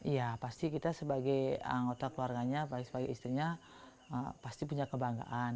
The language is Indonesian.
ya pasti kita sebagai anggota keluarganya sebagai istrinya pasti punya kebanggaan